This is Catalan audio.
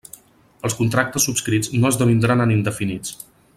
Els contractes subscrits no esdevindran en indefinits.